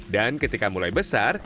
dan ketika mulai besar